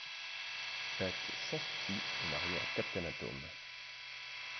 Bette Sans Souci est mariée à Captain Atom.